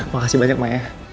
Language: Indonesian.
makasih banyak ma ya